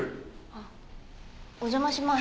あっお邪魔します。